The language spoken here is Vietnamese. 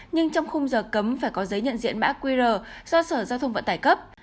nhưng trong khung giờ cấm phải có giấy nhận diện mã qr do sở giao thông vận tải cấp